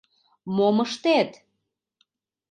Мом ыштет?